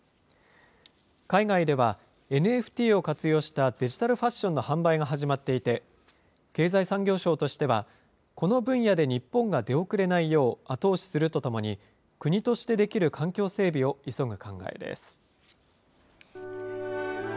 海外では、ＮＦＴを活用したデジタルファッションの販売が始まっていて、経済産業省としては、この分野で日本が出遅れないよう後押しするとともに、国としてできる環境整備を急ぐ考えです。